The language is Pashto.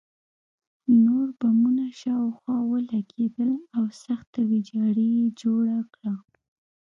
نور بمونه شاوخوا ولګېدل او سخته ویجاړي یې جوړه کړه